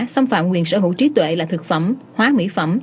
xâm phạm quyền sở hữu trí tuệ là thực phẩm hóa mỹ phẩm